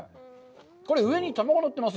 これ、上に卵が乗ってますよ。